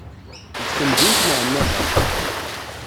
Deg temdint n Ɛennaba.